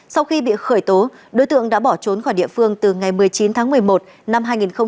sau khi bị khởi tố đối tượng đã bỏ trốn khỏi địa phương từ ngày một mươi chín tháng một mươi một năm hai nghìn một mươi chín